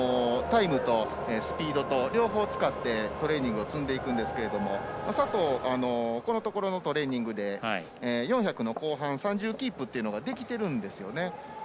それで、タイムとスピードと両方使ってトレーニングを積んでいくんですけど佐藤、このところのトレーニングで４００の後半３０キープというのができてるんですよね。